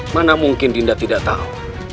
mana mungkin dinda tidak tahu